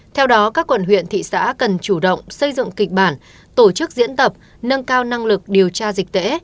theo đó các quận huyện thị xã cần chủ động xây dựng kịch bản tổ chức diễn tập nâng cao năng lực điều tra dịch tễ